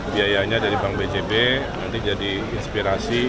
biayanya dari bank bjb nanti jadi inspirasi